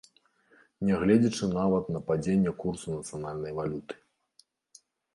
Нягледзячы нават на падзенне курсу нацыянальнай валюты.